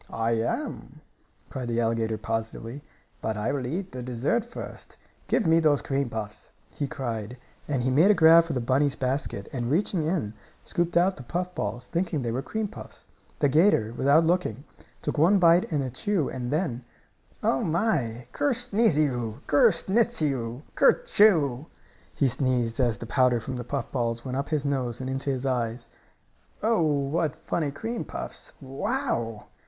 "I am!" cried the alligator, positively. "But I will eat the dessert first. Give me those cream puffs!" he cried and he made a grab for the bunny's basket, and, reaching in, scooped out the puff balls, thinking they were cream puffs. The 'gator, without looking, took one bite and a chew and then "Oh, my! Ker sneezio! Ker snitzio! Ker choo!" he sneezed as the powder from the puff balls went up his nose and into his eyes. "Oh, what funny cream puffs! Wow!"